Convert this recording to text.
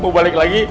mau balik lagi